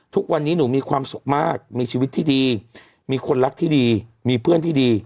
ทุกวันนี้หนูมีความสุขมากมีชีวิตที่ดีมีคนรักที่ดีมีเพื่อนที่ดี